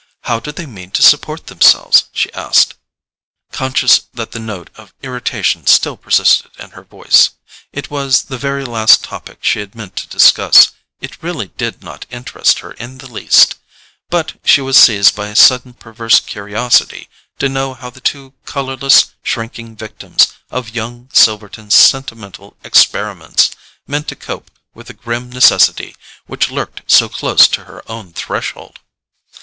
How do they mean to support themselves?" she asked, conscious that the note of irritation still persisted in her voice. It was the very last topic she had meant to discuss—it really did not interest her in the least—but she was seized by a sudden perverse curiosity to know how the two colourless shrinking victims of young Silverton's sentimental experiments meant to cope with the grim necessity which lurked so close to her own threshold.